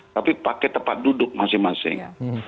tapi pakai tempat duduk masing masing